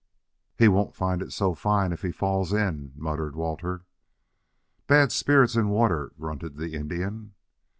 "He won't find it so fine if he falls in," muttered Walter. "Bad spirits in water," grunted the Indian.